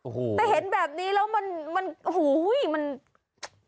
อ่อหูแต่เห็นแบบนี้แล้วมันหูหู้ยมันโด้ให้หลอกจริง